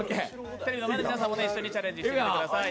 テレビの前の皆さんも一緒にチャレンジしてみてください。